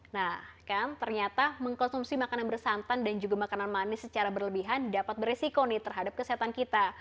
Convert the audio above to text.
nah kan ternyata mengkonsumsi makanan bersantan dan juga makanan manis secara berlebihan dapat beresiko nih terhadap kesehatan kita